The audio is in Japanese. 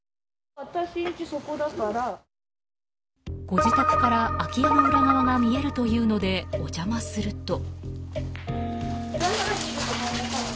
ご自宅から空き家の裏側が見えるというのでお邪魔すると。